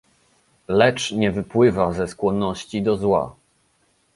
lecz nie wypływa ze skłonności do zła